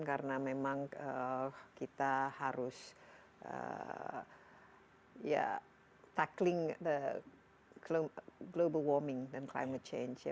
karena memang kita harus tackling global warming dan climate change